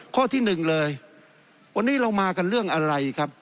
ข้อที่หนึ่งเลยวันนี้เรามากันเรื่องอะไรครับ